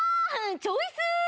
チョイス！